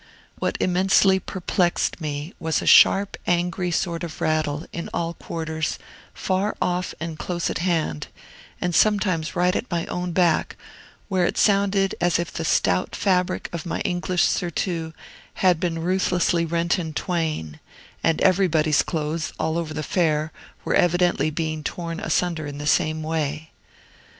What immensely perplexed me was a sharp, angry sort of rattle, in all quarters, far off and close at hand, and sometimes right at my own back, where it sounded as if the stout fabric of my English surtout had been ruthlessly rent in twain; and everybody's clothes, all over the fair, were evidently being torn asunder in the same way.